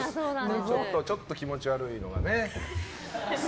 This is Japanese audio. ちょっと気持ち悪いのがね。